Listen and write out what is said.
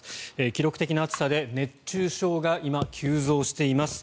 記録的な暑さで熱中症が今、急増しています。